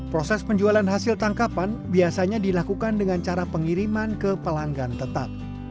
proses penjualan hasil tangkapan biasanya dilakukan dengan cara pengiriman ke pelanggan tetap